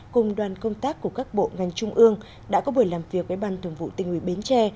cùng đoàn công tác của các bộ ngành trung ương đã có buổi làm việc với ban thường vụ tình nguy bến tre